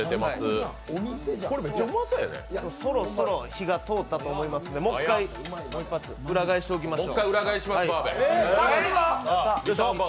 これ、めっちゃうまそうやねそろそろ火が通ったと思いますので、もう一回裏返しておきましょう。